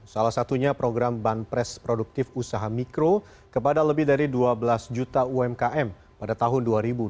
salah satunya program banpres produktif usaha mikro kepada lebih dari dua belas juta umkm pada tahun dua ribu dua puluh